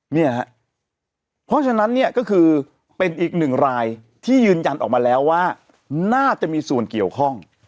เนี่ยฮะเพราะฉะนั้นเนี่ยก็คือเป็นอีกหนึ่งรายที่ยืนยันออกมาแล้วว่าน่าจะมีส่วนเกี่ยวข้อง